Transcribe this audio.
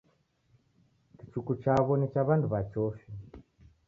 Kichuku chaw'o ni cha w'andu w'a chofi.